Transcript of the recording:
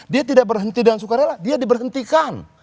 dia tidak berhenti dengan sukarela dia diberhentikan